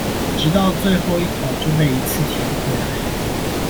直到最後一口就被一次甜回來了